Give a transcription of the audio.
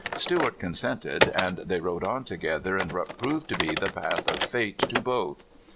Stewart consented, and they rode on together in what proved to be the path of fate to both.